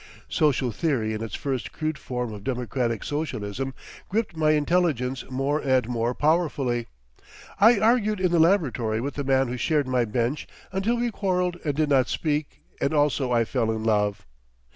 Social theory in its first crude form of Democratic Socialism gripped my intelligence more and more powerfully. I argued in the laboratory with the man who shared my bench until we quarreled and did not speak and also I fell in love.